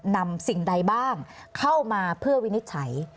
นำสิ่งใดบ้างเข้ามาเพื่อวินิจฉัย